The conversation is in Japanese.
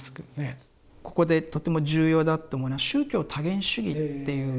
ここでとても重要だと思うのは「宗教多元主義」っていう。